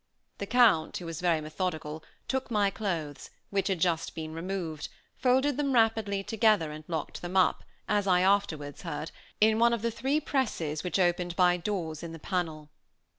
The Count, who was very methodical, took my clothes, which had just been removed, folded them rapidly together and locked them up, as I afterwards heard, in one of the three presses which opened by doors in the panel.